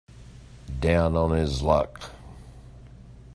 Down on his luck.